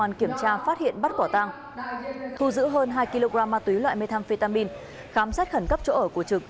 công an kiểm tra phát hiện bắt quả tăng thu giữ hơn hai kg ma túy loại methamphetamine khám sát khẩn cấp chỗ ở của trực